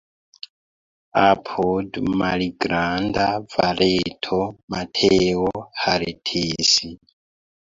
Apud malgranda valeto Mateo haltis.